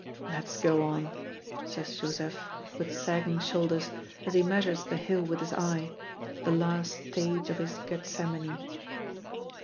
"Let's go on," says Joseph, with sagging shoulders, as he measures the hill with his eye the last stage of his Gethsemane.